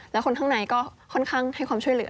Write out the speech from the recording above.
แล้วคนข้างในก็ค่อนข้างให้ความช่วยเหลือ